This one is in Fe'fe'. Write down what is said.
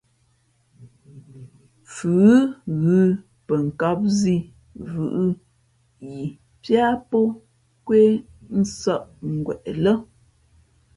Fʉ ghʉ pαkām zī vʉ̄ʼʉ yi piá pō nkwé nsᾱʼ ngweʼ lά.